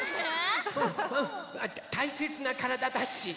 たいせつなからだだし。